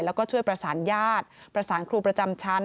แล้วก็ช่วยประสานญาติประสานครูประจำชั้น